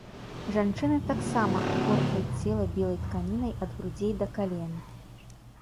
Жанчыны таксама абгортваюць цела белай тканінай ад грудзей да кален.